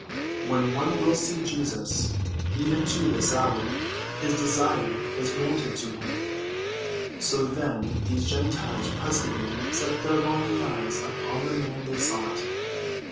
When one will see Jesus, even to this hour, his desire is granted to him. So then these Gentiles presently set their longing eyes upon the man they sought.